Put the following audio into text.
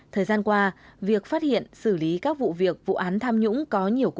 thời gian qua việc phát hiện xử lý các vụ việc vụ án tham nhũng có nhiều cung cấp